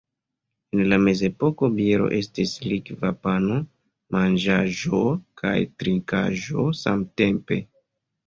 En la mezepoko biero estis likva pano: manĝaĵo kaj trinkaĵo samtempe.